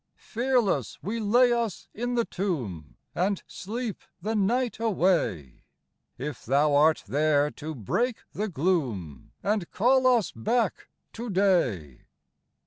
Fearless we lay us in the tomb, And sleep the night away, If Thou art there to break the gloom, And call us back to day.